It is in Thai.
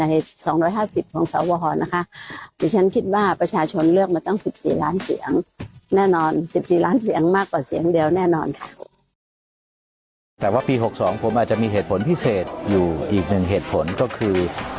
อีกหนึ่งเหตุผลก็คือ